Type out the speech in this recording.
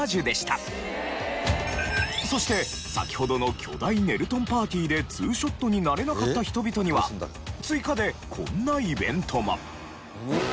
そして先ほどの巨大ねるとんパーティーでツーショットになれなかった人々には追加でこんなイベントが。